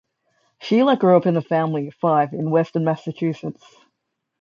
Sheila grew up in a family of five in western Massachusetts.